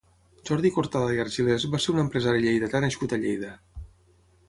Jordi Cortada i Argilés va ser un empresari lleidatà nascut a Lleida.